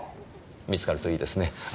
見つかるといいですね。